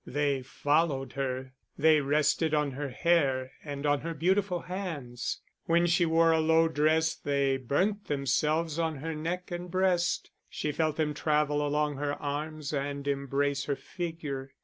They followed her; they rested on her hair and on her beautiful hands; when she wore a low dress they burnt themselves on her neck and breast; she felt them travel along her arms, and embrace her figure.